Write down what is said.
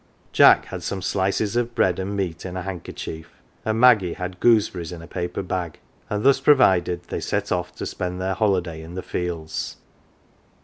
Jack had some slices of bread and meat in a handkerchief, .."^*"^|^ and Maggie had goose berries in a paper bag ; and thus provided they set off to spend their holiday in the fields.